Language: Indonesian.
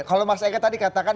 kalau mas eka tadi katakan